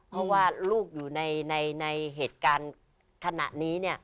เพราะว่าลูกอยู่ในเหตุการณ์ขณะนี้